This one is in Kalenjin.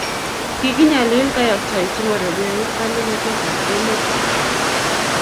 Kikinyalil kayoktoik chemarobei eut kandoinatet ab amet